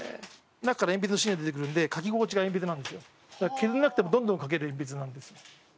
削らなくてもどんどん書ける鉛筆なんですよ。